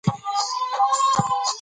ډېر خوښ شو